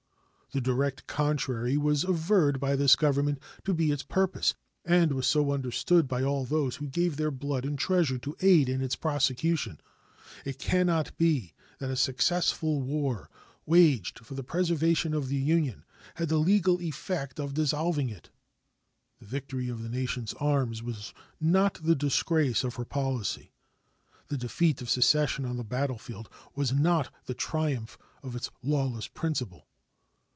The direct contrary was averred by this Government to be its purpose, and was so understood by all those who gave their blood and treasure to aid in its prosecution. It can not be that a successful war, waged for the preservation of the Union, had the legal effect of dissolving it. The victory of the nation's arms was not the disgrace of her policy; the defeat of secession on the battlefield was not the triumph of its lawless principle.